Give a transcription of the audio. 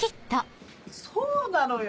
そうなのよ